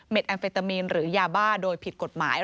แอมเฟตามีนหรือยาบ้าโดยผิดกฎหมาย